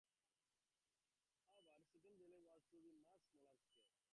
However, Seaton Delaval was to be on a much smaller scale.